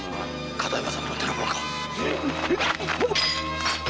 片山様の手の者か。